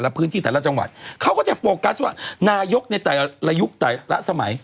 เอ๊ะคุณใยมัสจะสร้างอีกแล้วกลับมา